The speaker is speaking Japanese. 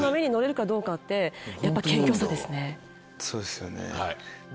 そうですよね。